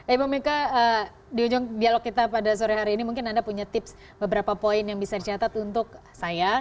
ibu mika di ujung dialog kita pada sore hari ini mungkin anda punya tips beberapa poin yang bisa dicatat untuk saya